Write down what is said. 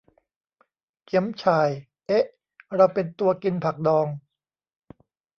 เกี๋ยมฉ่าย เอ๊ะ เราเป็นตัวกินผักดอง !